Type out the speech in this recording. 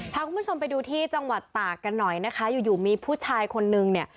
พาคุณผู้ชมไปดูที่จังหวัดตากกันหน่อยนะคะอยู่อยู่มีผู้ชายคนนึงเนี่ย